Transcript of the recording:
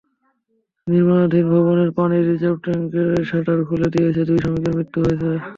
নির্মাণাধীন ভবনের পানির রিজার্ভ ট্যাংকের শাটার খুলতে গিয়ে দুই শ্রমিকের মৃত্যু হয়েছে।